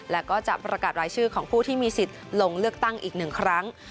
และก็จะประกาศรายชื่อของผู้ที่มีสิทธิ์ลงเลือกตั้งอีกหนึ่งครั้ง